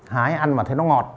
hái ăn mà thấy nó ngọt